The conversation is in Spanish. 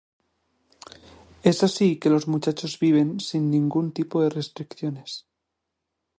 Es así que los muchachos viven sin ningún tipo de restricciones.